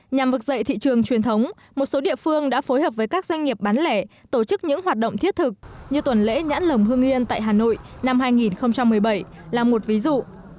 nhằm vực dậy thị trường truyền thống một số địa phương đã phối hợp với các doanh nghiệp bán lẻ tổ chức những hoạt động thiết thực như tuần lễ nhãn lồng hương yên tại hà nội năm hai nghìn một mươi bảy là một ví dụ